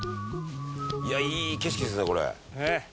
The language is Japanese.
「いやいい景色ですねこれ」